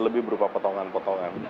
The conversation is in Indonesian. lebih berupa potongan potongan